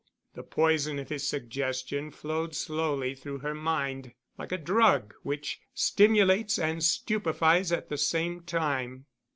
The poison of his suggestion flowed slowly through her mind, like a drug which stimulates and stupefies at the same time.